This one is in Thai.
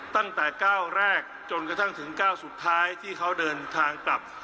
ตั้งแต่ก้าวแรกจนกระทั่งถึงก้าวสุดท้ายที่เขาเดินทางกลับ